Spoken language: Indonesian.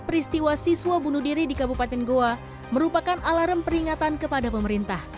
peristiwa bunuh diri di kabupaten goa merupakan alarm peringatan kepada pemerintah